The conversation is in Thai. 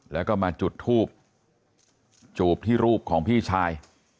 แล้วก็มาจุดทูบจูบที่รูปของพี่ชาย